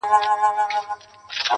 اې د مځكى پر مخ سيورې د يزدانه٫